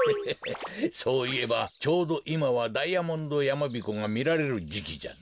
そういえばちょうどいまはダイヤモンドやまびこがみられるじきじゃな。